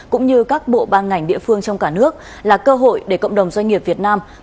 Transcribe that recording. cũng như các bộ ban ngành địa phương trong cả nước là cơ hội để cộng đồng doanh nghiệp việt nam